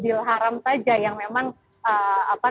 itu adalah hal yang memang haram saja